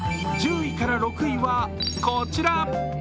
１０位から６位はこちら。